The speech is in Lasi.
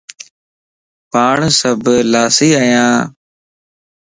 پاڻ سڀ لاسي ايان